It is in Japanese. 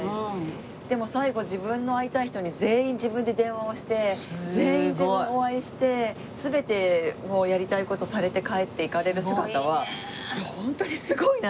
でも最後自分の会いたい人に全員自分で電話をして全員お会いして全てもうやりたい事されて帰っていかれる姿はいやホントにすごいな！と。